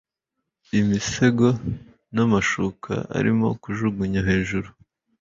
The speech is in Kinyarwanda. imisego namashuka arimo kujugunya hejuru